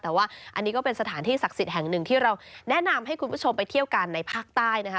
แต่ว่าอันนี้ก็เป็นสถานที่ศักดิ์สิทธิ์แห่งหนึ่งที่เราแนะนำให้คุณผู้ชมไปเที่ยวกันในภาคใต้นะคะ